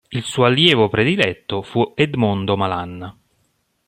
Il suo allievo prediletto fu Edmondo Malan.